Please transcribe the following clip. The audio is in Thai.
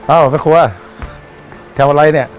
อ้าวแม่ครัวแถวอะไรนี่